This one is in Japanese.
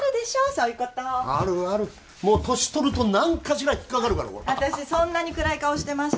そういうことあるあるもう年取ると何かしら引っ掛かるから私そんなに暗い顔してました？